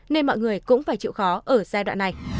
nên mọi người cũng phải chịu khó ở giai đoạn này